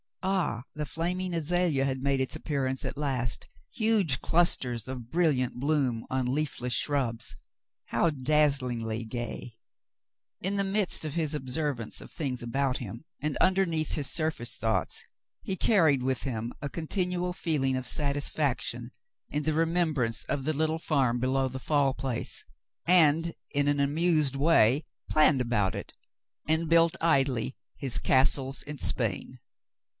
Ah, the flaming azalea had made its appearance at last, huge clusters of brilliant bloom on leafless shrubs. How daz zlingly gay ! In the midst of his observance of things about him, and underneath his surface thoughts, he carried with him a continual feeling of satisfaction in the remembrance of the little farm below the Fall Place, and in an amused way planned about it, and built idly his "Castles in Spain."